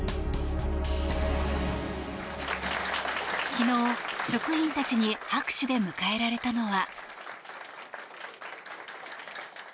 昨日、職員たちに拍手で迎えられたのは。